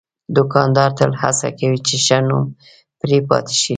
دوکاندار تل هڅه کوي چې ښه نوم پرې پاتې شي.